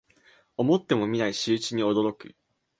思ってもみない仕打ちに驚く